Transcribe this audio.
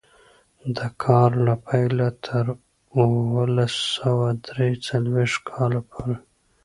د کار له پیله تر اوولس سوه درې څلوېښت کاله پورې.